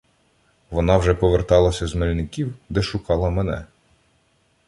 Вона вже поверталася з Мельників, де шукала мене.